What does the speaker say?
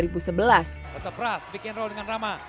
prastawa bikin roll dengan ramah